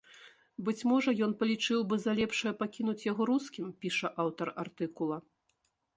Быць можа, ён палічыў бы за лепшае пакінуць яго рускім, піша аўтар артыкула.